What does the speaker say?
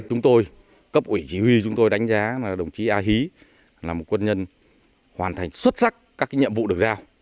chúng tôi cấp ủy chỉ huy chúng tôi đánh giá là đồng chí a hí là một quân nhân hoàn thành xuất sắc các nhiệm vụ được giao